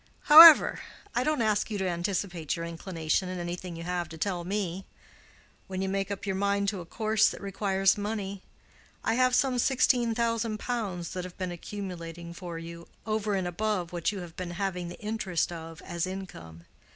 However, I don't ask you to anticipate your inclination in anything you have to tell me. When you make up your mind to a course that requires money, I have some sixteen thousand pounds that have been accumulating for you over and above what you have been having the interest of as income.